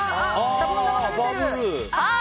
シャボン玉が出てる！